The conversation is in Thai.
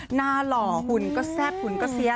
หน้าหล่อหุ่นก็แซ่บหุ่นก็เฮี้ย